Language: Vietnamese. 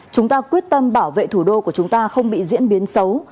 chúng ta quyết tâm bảo vệ thủ đô của chúng ta không bị diễn biến xấu